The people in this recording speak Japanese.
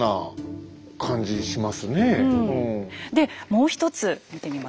うんでもう一つ見てみましょうか。